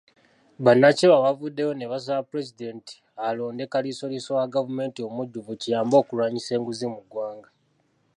Bannakyewa bavuddeyo ne basaba Pulezidenti alonde kaliisoliiso wa gavumenti omujjuvu kiyambe okulwanyisa enguzi mu ggwanga.